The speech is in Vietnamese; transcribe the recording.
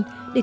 để tự nhiên